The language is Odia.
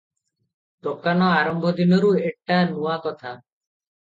"ଦୋକାନ ଆରମ୍ଭ ଦିନରୁ ଏଟା ନୂଆକଥା ।